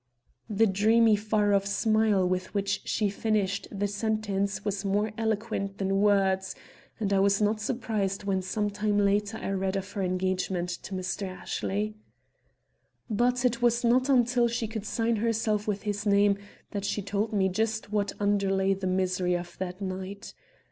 The dreamy far off smile with which she finished the sentence was more eloquent than words, and I was not surprised when some time later I read of her engagement to Mr. Ashley. But it was not till she could sign herself with his name that she told me just what underlay the misery of that night.